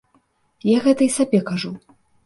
Я гэта і сабе кажу.